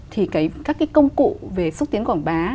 thì các cái công cụ về xúc tiến quảng bá